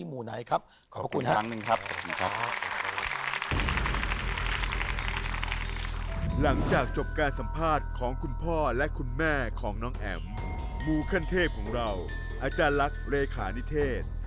มูขั้นเทพของเราอาจารย์ลักษณ์เรขานิเทศ